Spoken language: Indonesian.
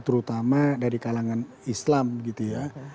terutama dari kalangan islam gitu ya